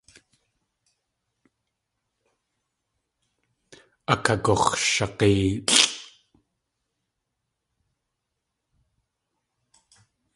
Akagux̲shag̲éelʼ.